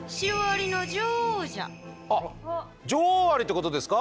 あっ女王アリってことですか？